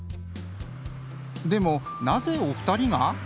でもなぜお二人が？